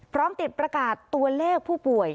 พร้อมติดประกาศตัวเลขผู้ป่วย